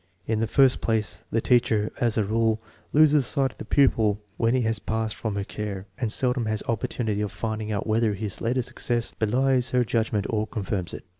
In the first place, the teacher as a rule loses sight of the pupil when he has passed from her care, and seldom has opportunity of finding out whether his later success belies her judgment or confirms it.